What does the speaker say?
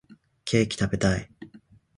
ケーキ食べたい